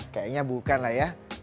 kayaknya bukan lah ya